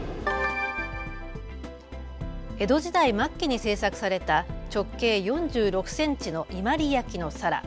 江戸時代末期に制作された直径４６センチの伊万里焼の皿。